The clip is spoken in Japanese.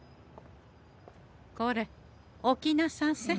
これ起きなさんせこれ！